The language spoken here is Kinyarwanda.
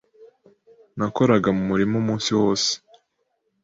Nakoraga mu murima umunsi wose.